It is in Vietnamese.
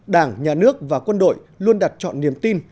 đảng nhà nước và quân đội luôn đặt chọn niềm tin